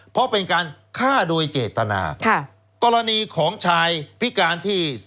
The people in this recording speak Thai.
เพราะเป็นการฆ่าโดยเจตนาค่ะกรณีของชายพิการที่